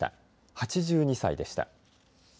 ８２歳でした。